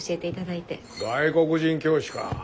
外国人教師か。